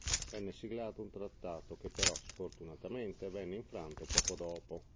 Venne siglato un trattato che però, sfortunatamente, venne infranto poco dopo.